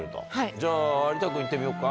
じゃあ有田君行ってみようか。